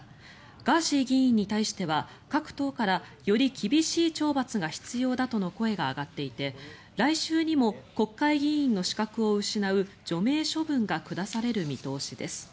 ガーシー議員に対しては各党からより厳しい懲罰が必要だとの声が上がっていて来週にも国会議員の資格を失う除名処分が下される見通しです。